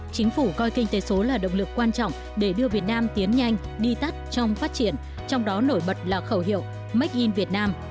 chính phủ coi kinh tế số là động lực quan trọng để đưa việt nam tiến nhanh đi tắt trong phát triển trong đó nổi bật là khẩu hiệu make in việt nam